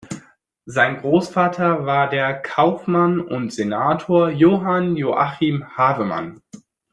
Sein Großvater war der Kaufmann und Senator Johann Joachim Havemann.